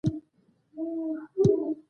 د شعر پېژندنې لپاره ګټور معلومات پکې وړاندې شوي